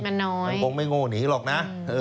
มันคงไม่โง่หนีหรอกนะ